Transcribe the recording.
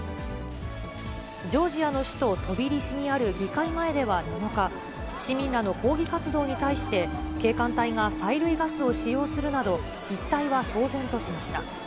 ジョージアの首都、トビリシにある議会前では７日、市民らの抗議活動に対して、警官隊が催涙ガスを使用するなど、一帯は騒然としました。